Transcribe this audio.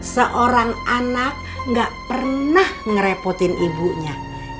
seorang anak gak pernah ngerepotin ibunya